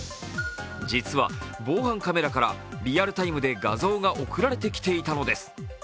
実は防犯カメラからリアルタイムで画像が送られてきてきたのです。